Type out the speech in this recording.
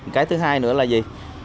cái thứ hai nữa là gì